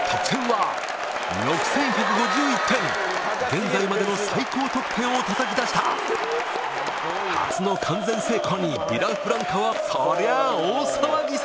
得点は現在までの最高得点をたたき出した初の完全成功に『ビラフランカ』はそりゃ大騒ぎさ！